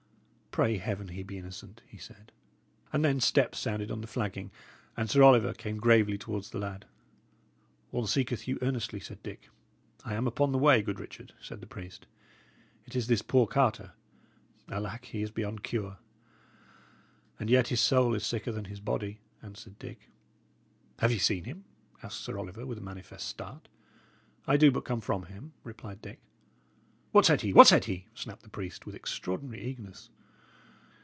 "Pray Heaven he be innocent!" he said. And then steps sounded on the flagging, and Sir Oliver came gravely towards the lad. "One seeketh you earnestly," said Dick. "I am upon the way, good Richard," said the priest. "It is this poor Carter. Alack, he is beyond cure." "And yet his soul is sicker than his body," answered Dick. "Have ye seen him?" asked Sir Oliver, with a manifest start. "I do but come from him," replied Dick. "What said he? what said he?" snapped the priest, with extraordinary eagerness.